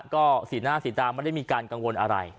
ก็สีหน้าสีตาไม่ได้มีการกังวลอะไร